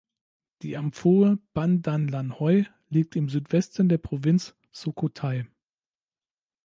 Die Amphoe Ban Dan Lan Hoi liegt im Südwesten der Provinz Sukhothai.